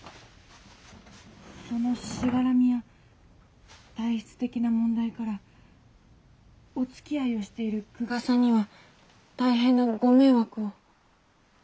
・そのしがらみや体質的な問題からおつきあいをしている久我さんには大変なご迷惑を。